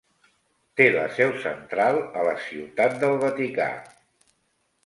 Té la seu central a la ciutat del Vaticà.